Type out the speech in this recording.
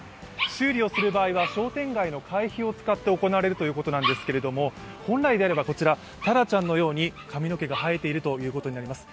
修理をする場合は商店会の会費を使って行われるということですが本来であれば、こちらタラちゃんのように髪の毛が生えているということになります。